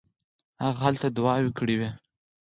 هغه هلته دوعا کړې وه.